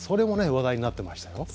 話題になっていましたよ。